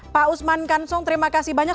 pak usman kansong terima kasih banyak